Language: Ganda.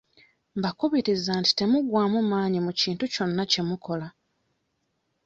Mbakubiriza nti temuggwamu maanyi mu kintu kyonna kye mukola.